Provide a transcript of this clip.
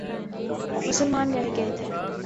مسلمان رہ گئے تھے۔